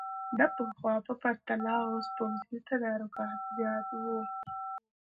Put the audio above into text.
د پخوا په پرتله اوس پوځي تدارکات زیات وو.